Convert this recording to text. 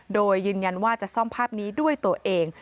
โดยยืนยันว่าจะซ่อมภาพนี้ด้วยตัวเอง